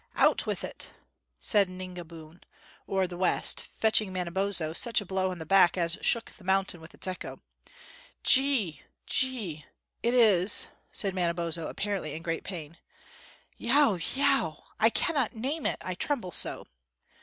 "Out with it," said Ningabiun, or the West, fetching Manabozho such a blow on the back as shook the mountain with its echo. "Je ee, je ee it is " said Manabozho, apparently in great pain. "Yeo, yeo! I cannot name it, I tremble so."